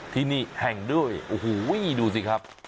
ที่นี่แห่งด้วยโอ้โหดูสิครับ